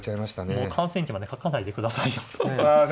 もう観戦記まで書かないで下さいよ。